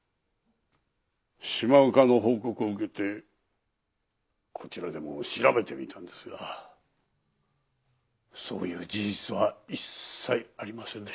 島岡の報告を受けてこちらでも調べてみたんですがそういう事実は一切ありませんでした。